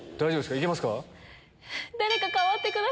行けますか？